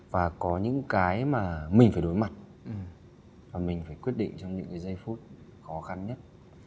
và có những cái mà mình phải đối mặt và mình phải quyết định trong những cái giây phút khó khăn nhất